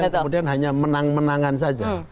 kemudian hanya menang menangan saja